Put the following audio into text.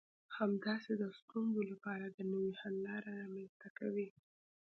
همداسې د ستونزو لپاره د نوي حل لارې رامنځته کوي.